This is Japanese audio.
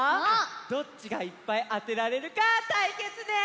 どっちがいっぱいあてられるかたいけつです！